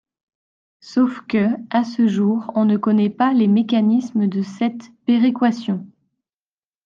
Sauf que, à ce jour, on ne connaît pas les mécanismes de cette péréquation.